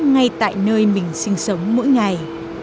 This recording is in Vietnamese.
ngay tại nơi mình sinh sống mỗi ngày